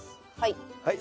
はい。